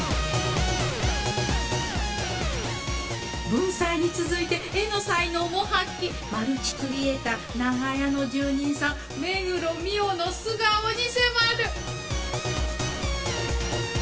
「文才に続いて絵の才能を発揮」「マルチクリエイター“長屋の住人さん”目黒澪の素顔に迫る！！？」